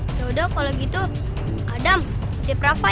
yaudah kalau gitu adam titip rafa ya